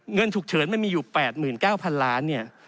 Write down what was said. เงินฉุกเฉินมันมีอยู่๘๙๐๐ล้านเนี่ย